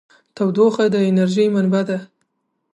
تودوخه د انرژۍ منبع ده.